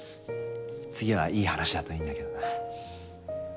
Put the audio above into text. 次はいい話だといいんだけどな。